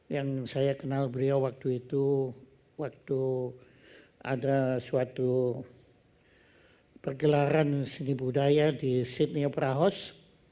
yang saya kenal beliau waktu itu waktu ada suatu pergelaran seni budaya di sydney opera house